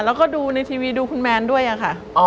แล้วก็ดูในทีวีดูคุณแมนด้วยค่ะ